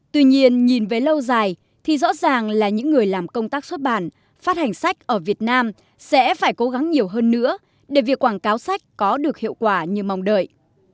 tuy nhiên nhìn về lâu dài thì rõ ràng là những người làm công tác xuất bản phát hành sách ở việt nam sẽ phải cố gắng nhiều hơn nữa để việc quảng cáo sách có được hiệu quả như mong đợi